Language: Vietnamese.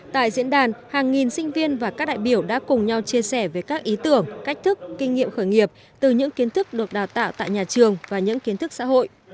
tại diễn đàn hàng nghìn sinh viên và các đại biểu đã cùng nhau chia sẻ về các ý tưởng cách thức kinh nghiệm khởi nghiệp từ những kiến thức được đào tạo tại nhà trường và những kiến thức xã hội